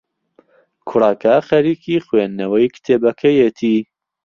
کوڕەکە خەریکی خوێندنەوەی کتێبەکەیەتی.